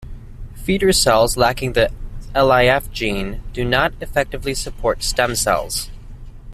Feeder cells lacking the lif gene do not effectively support stem cells.